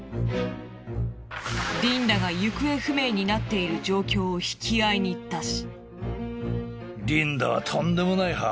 リンダが行方不明になっている状況を引き合いに出し。